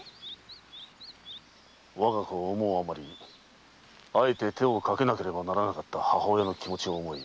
我が子を思うあまりあえて手をかけなければならなかった母親の気持ちを思い